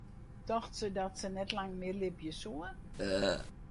Tocht se dat se net lang mear libje soe?